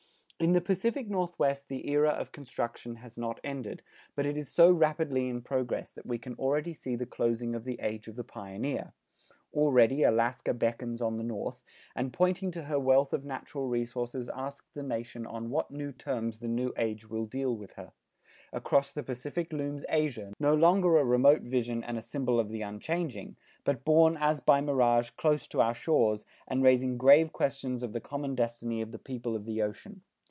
In the Pacific Northwest the era of construction has not ended, but it is so rapidly in progress that we can already see the closing of the age of the pioneer. Already Alaska beckons on the north, and pointing to her wealth of natural resources asks the nation on what new terms the new age will deal with her. Across the Pacific looms Asia, no longer a remote vision and a symbol of the unchanging, but borne as by mirage close to our shores and raising grave questions of the common destiny of the people of the ocean.